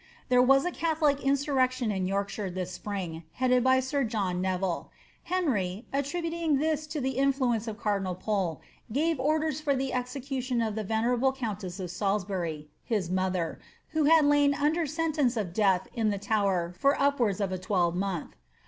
There was a catholic insurrection in Yorkshire this spring, headed by sir John Neville. Henry, attri buting this to the influence of cardinal Pole, gave orders for the execu tion of the venerable countess of Salisbury, his mother, who had lain under sentence of death in the Tower for upwards of a twelvemonth.